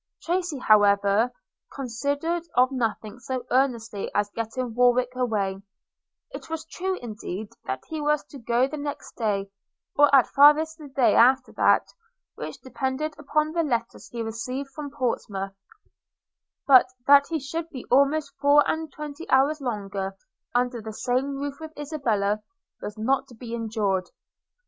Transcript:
Tracy, however, considered of nothing so earnestly as getting Warwick away – It was true, indeed, that he was to go the next day, or at farthest the day after that, which depended upon the letters he received from Portsmouth; but, that he should be almost four and twenty hours longer under the same roof with Isabella was not to be endured.